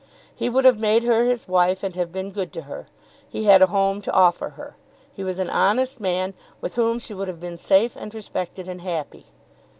He would have made her his wife and have been good to her. He had a home to offer her. He was an honest man with whom she would have been safe and respected and happy!